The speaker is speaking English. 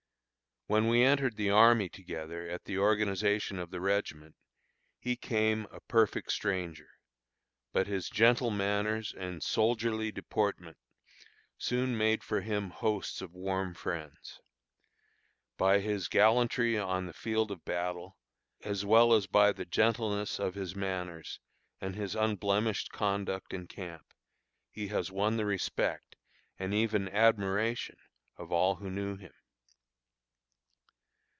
When we entered the army together at the organization of the regiment, he came a perfect stranger, but his gentle manners and soldierly deportment soon made for him hosts of warm friends. By his gallantry on the field of battle, as well as by the gentleness of his manners and his unblemished conduct in camp, he has won the respect, and even admiration, of all who knew him.